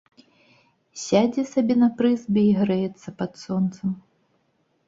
Сядзе сабе на прызбе й грэецца пад сонца.